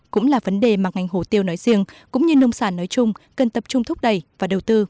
cũng là vấn đề mà ngành hổ tiêu nói riêng cũng như nông sản nói chung cần tập trung thúc đẩy và đầu tư